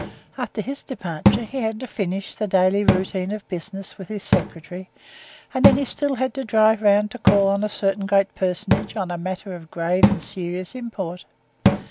After his departure, he had to finish the daily routine of business with his secretary, and then he still had to drive round to call on a certain great personage on a matter of grave and serious import.